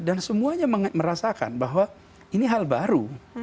dan semuanya merasakan bahwa ini hal baru